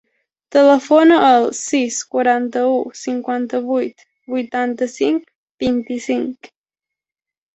Telefona al sis, quaranta-u, cinquanta-vuit, vuitanta-cinc, vint-i-cinc.